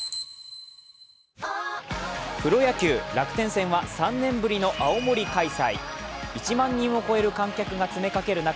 プロ野球楽天戦は３年ぶりの青森開催１万人を超える観客が詰めかける中